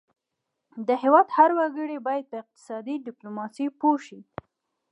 د هیواد هر وګړی باید په اقتصادي ډیپلوماسي پوه شي